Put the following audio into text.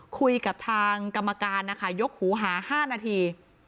คุยกับทางกรรมการนะคะยกหูหา๕นาที